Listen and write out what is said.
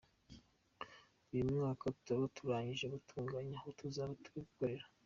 Uyu mwaka turaba turangije gutunganya aho tuzaba turi gukorera.